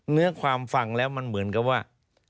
เนื้อความฟังแล้วมันเหมือนกับว่า